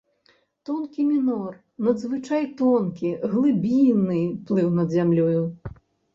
Тонкі мінор, надзвычай тонкі, глыбінны, плыў над зямлёю.